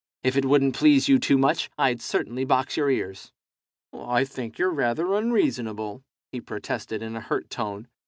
If it wouldn't please you too much, I'd certainly box your ears. "I think you're rather unreasonable," he protested, in a hurt tone.